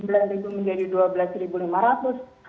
rp sembilan menjadi rp dua belas lima ratus